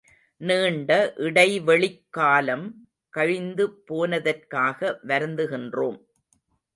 நீண்ட இடைவெளிக் காலம் கழிந்து போனதற்காக வருந்துகின்றோம்.